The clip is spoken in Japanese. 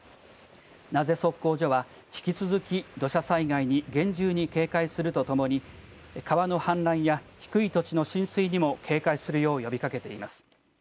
名瀬測候所は引き続き土砂災害に厳重に警戒するとともに川の氾濫や低い土地の浸水にも警戒するよう呼びかけています。